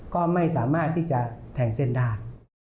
ก็ไม่สามารถที่จะแทงเส้นได้